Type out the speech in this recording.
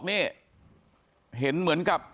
นี่เห็นเหมือนกับ